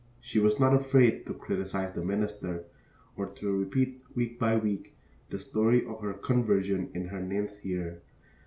She was not afraid to criticize the minister, or to repeat week by week the story of her conversion in her ninth year.